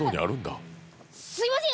すいません。